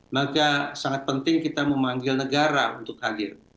maka sangat penting kita memanggil negara untuk hadir